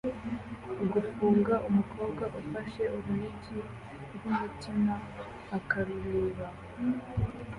Gufunga umukobwa ufashe urunigi rw'umutima akarureba